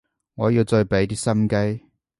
我要再畀啲心機